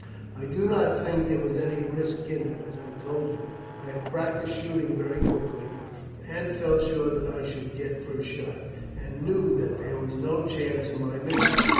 "I do not think there was any risk in it. As I told you, I have practised shooting very quickly, and felt sure that I should get first shot, and knew that there was no chance of my missing.